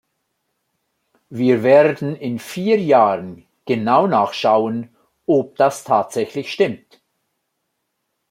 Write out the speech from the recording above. Wir werden in vier Jahren genau nachschauen, ob das tatsächlich stimmt.